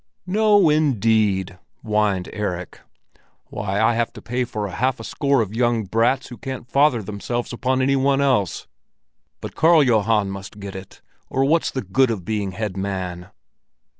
"No, indeed!" whined Erik. "Why, I have to pay for half a score of young brats who can't father themselves upon any one else. But Karl Johan must get it, or what's the good of being head man?"